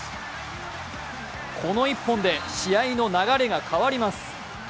この一本で試合の流れが変わります。